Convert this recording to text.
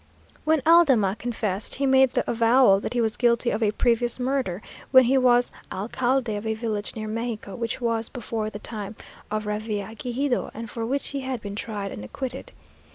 When Aldama confessed, he made the avowal that he was guilty of a previous murder, when he was alcalde of a village near Mexico, which was before the time of Revillagigedo, and for which he had been tried and acquitted.